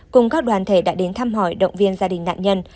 cùng các đoàn thể đã đến thăm hỏi động viên gia đình nạn nhân